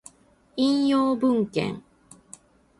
引用文献